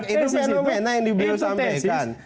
itu fenomena yang beliau sampaikan